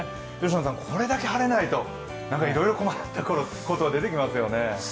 これだけ晴れないと、いろいろ困るところ出てきますよね。